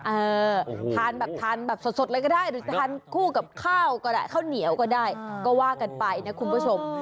เออทานแบบทานแบบสดเลยก็ได้หรือทานคู่กับข้าวก็ได้ข้าวเหนียวก็ได้ก็ว่ากันไปนะคุณผู้ชม